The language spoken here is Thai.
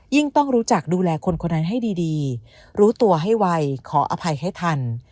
ต้องรู้จักดูแลคนคนนั้นให้ดีรู้ตัวให้ไวขออภัยให้ทัน